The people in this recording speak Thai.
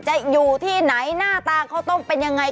อยู่ที่ไหนหน้าตาข้าวต้มเป็นยังไง